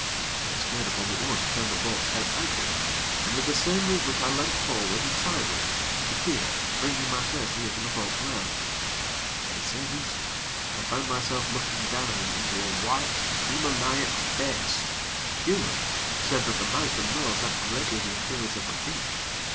I swayed upon the oar to turn the boat's head outward, and with the same movement leant forward and sideways to peer, bringing my face near to the boat's rail. In the same instant, I found myself looking down into a white demoniac face, human save that the mouth and nose had greatly the appearance of a beak.